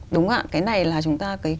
đúng không ạ cái này là chúng ta